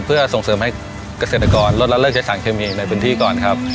เพื่อส่งเสริมให้เกษตรกรลดละเลิกใช้สารเคมีในพื้นที่ก่อนครับ